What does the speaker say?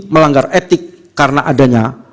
melanggar etik karena adanya